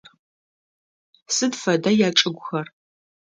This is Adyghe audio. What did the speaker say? Сыд фэда ячӏыгухэр?